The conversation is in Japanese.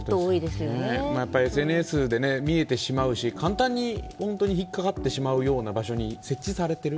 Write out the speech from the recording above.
ＳＮＳで見えてしまうし、簡単にひっかかってしまうような場所に設置されている。